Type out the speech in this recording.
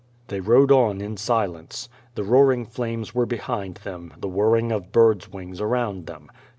They rode on in silence. The roaring flames were behind them, the whirring of birds' wings around them.